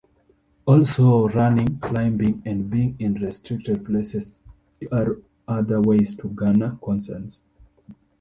Also, running, climbing and being in restricted places are other ways to garner concern.